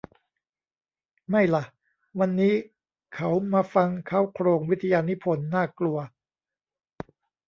ไม่ล่ะ วันนี้เขามาฟังเค้าโครงวิทยานิพนธ์ น่ากลัว